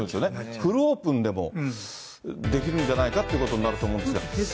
フルオープンでもできるんじゃないかということになると思うんですけど。